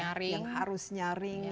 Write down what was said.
yang harus nyaring